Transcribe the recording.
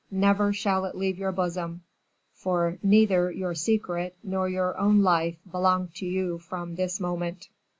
Never shall it leave your bosom, for neither your secret nor your own life belong to you from this moment."